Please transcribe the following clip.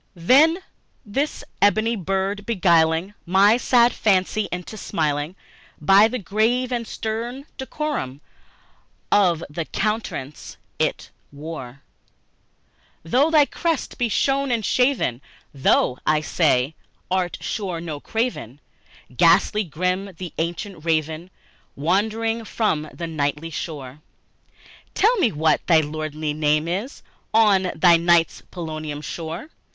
Then this ebony bird beguiling my sad fancy into smiling, By the grave and stern decorum of the countenance it wore; "Though thy crest be shorn and shaven, thou," I said, "art sure, no craven; Ghastly, grim, and ancient Raven, wandering from the nightly shore, Tell me what thy lordly name is on the night's Plutonian shore?"